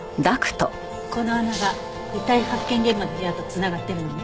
この穴が遺体発見現場の部屋と繋がってるのね。